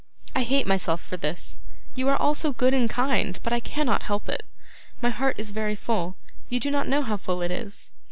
I hate myself for this; you are all so good and kind. But I cannot help it. My heart is very full; you do not know how full it is.